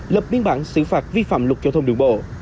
lập biên bản xử phạt vi phạm luật giao thông đường bộ